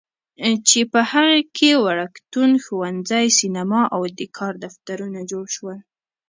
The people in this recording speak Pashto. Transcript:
چې په هغې کې وړکتون، ښوونځی، سینما او د کار دفترونه جوړ شول.